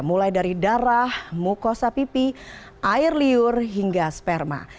mulai dari darah mukosa pipi air liur hingga sperma